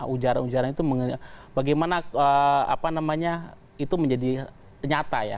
ujaran ujaran itu bagaimana itu menjadi nyata